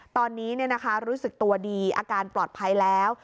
ตอนนี้รู้สึกตัวดีอาการปลอดภัยแล้ว